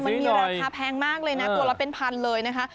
มันมีราคาแพงมากเลยนะตัวละเป็นพันเลยนะคะ